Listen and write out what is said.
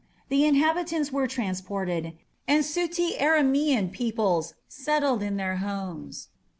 The inhabitants were transported, and "Suti" Aramaean peoples settled in their homes.